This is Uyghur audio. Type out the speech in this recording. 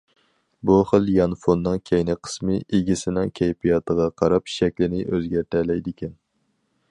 بۇ خىل يانفوننىڭ كەينى قىسمى ئىگىسىنىڭ كەيپىياتىغا قاراپ شەكلىنى ئۆزگەرتەلەيدىكەن.